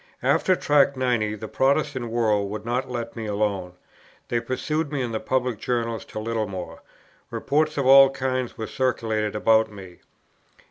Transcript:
After Tract 90 the Protestant world would not let me alone; they pursued me in the public journals to Littlemore. Reports of all kinds were circulated about me.